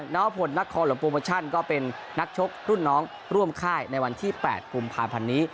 ผลนักคอหลวงโปรโมชั่นก็เป็นนักชกรุ่นน้องร่วมค่ายในวันที่๘กุมภาพันธ์นี้